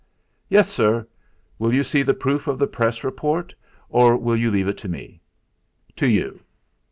"Yes, sir. Will you see the proof of the press report, or will you leave it to me?" "To you."